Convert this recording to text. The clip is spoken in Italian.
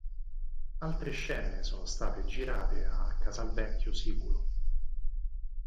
Altre scene sono state girate a Casalvecchio Siculo.